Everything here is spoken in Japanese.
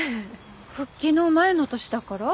復帰の前の年だから７年？